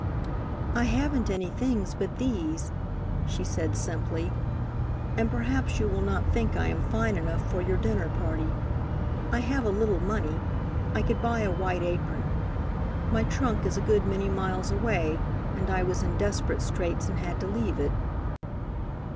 "I haven't any things but these," she said simply, "and perhaps you will not think I am fine enough for your dinner party. I have a little money. I could buy a white apron. My trunk is a good many miles away, and I was in desperate straits and had to leave it."